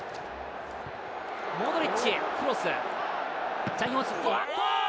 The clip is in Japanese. モドリッチ、クロス。